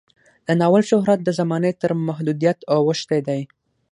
د ناول شهرت د زمانې تر محدودیت اوښتی دی.